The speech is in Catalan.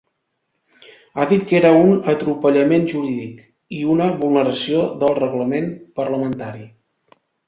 Ha dit que era un ‘atropellament jurídic’ i una vulneració del reglament parlamentari.